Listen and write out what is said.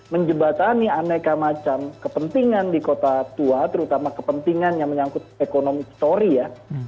menjebatani aneka macam kepentingan di kota tua terutama kepentingan yang menyangkut ekonomi story ya